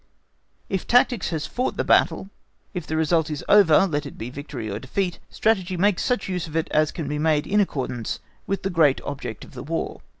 If tactics has fought the battle, if the result is over, let it be victory or defeat, Strategy makes such use of it as can be made in accordance with the great object of the War.